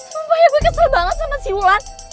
sumpah ya gua kesel banget sama si wulan